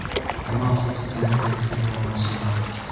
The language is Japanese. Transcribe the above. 「山」を二つ重ねてつけたものらしいのです